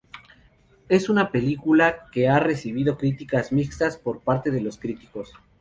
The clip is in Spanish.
Es una película, que ha recibido críticas mixtas por parte de los críticos.